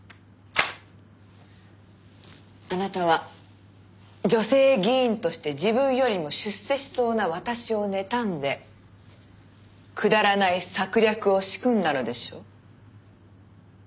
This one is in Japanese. あなたは女性議員として自分よりも出世しそうな私をねたんでくだらない策略を仕組んだのでしょう？